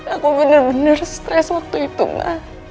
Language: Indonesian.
aku bener bener stres waktu itu ma